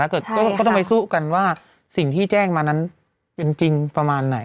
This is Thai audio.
ก็ต้องไปสู้กันว่าสิ่งที่แจ้งมานั้นเป็นจริงประมาณไหน